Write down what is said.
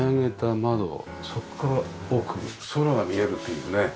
そこから奥空が見えるというね。